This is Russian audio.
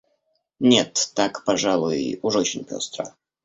Нет, так, пожалуй, уж очень пестро.